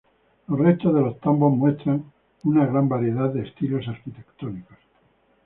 Los restos de los tambos muestran una gran variedad de estilos arquitectónicos.